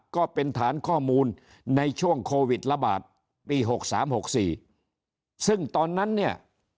ก็เป็นฐานข้อมูลในช่วงโควิดระบาดปีหกสามหกสี่ซึ่งตอนนั้นเนี่ย